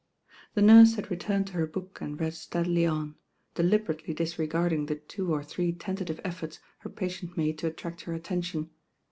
The nurse had returned to her book and read steadily on, deliberately disregarding the two or three tentative efforts her patient made to attract her attention.